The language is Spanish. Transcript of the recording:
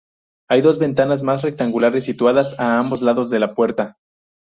Hay dos ventanas más, rectangulares, situadas a ambos lados de la puerta.